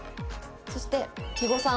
そして肥後さん。